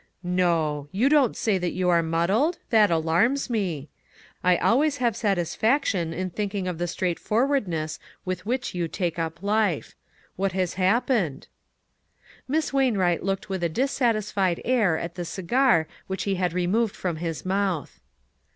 "No! you don't say that you are mud dled? That alarms me. I always have satis faction in thinking of the straightforward ness with which you take up life. What has happened ?" Miss Wainwright looked with a dissatisfied air at the cigar which he had removed from his mouth.